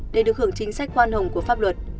để được hưởng chính sách khoan hồng của pháp luật